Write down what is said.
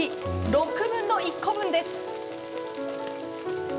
６分の１個分です。